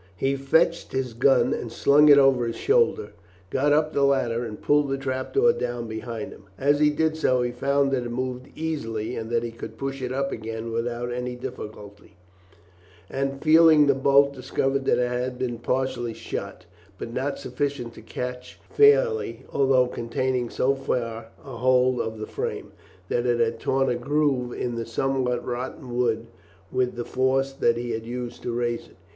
He fetched his gun and slung it over his shoulder, got upon the ladder, and pulled the trap door down behind him. As he did so he found that it moved easily, and that he could push it up again without any difficulty, and feeling the bolt, discovered that it had been partially shot, but not sufficiently to catch fairly, although containing so far a hold of the frame, that it had torn a groove in the somewhat rotten wood with the force that he had used to raise it.